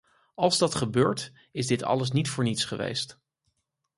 Als dat gebeurt, is dit alles niet voor niets geweest.